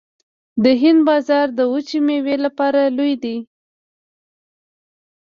د هند بازار د وچې میوې لپاره لوی دی